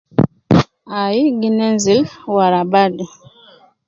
Ai gi nenzil wara badu